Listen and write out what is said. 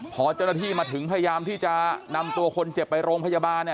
พอเจ้าหน้าที่มาถึงพยายามที่จะนำตัวคนเจ็บไปโรงพยาบาล